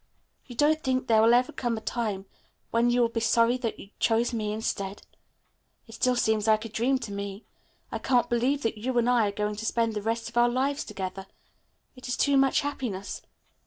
You don't think there will ever come a time when you will be sorry that you chose me instead? It still seems like a dream to me. I can't believe that you and I are going to spend the rest of our lives together. It's too much happiness.